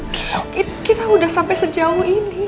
kita sudah sampai sejauh ini